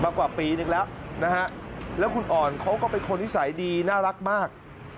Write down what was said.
กว่าปีนึงแล้วนะฮะแล้วคุณอ่อนเขาก็เป็นคนนิสัยดีน่ารักมาก